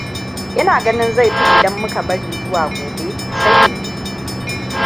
Ina ganin zai fi idan muka bari zuwa gobe sai mu yi.